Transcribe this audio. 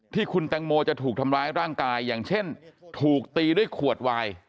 ที่คุณแตงโมจะถูกทำร้ายร่างกายอย่างเช่นถูกตีด้วยขวดวาย